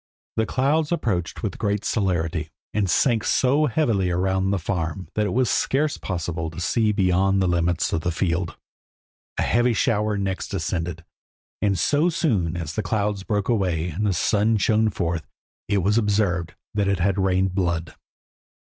The cloud approached with great celerity, and sank so heavily around the farm, that it was scarce possible to see beyond the limits of the field. A heavy shower next descended, and so soon as the clouds broke away and the sun shone forth it was observed that it had rained blood.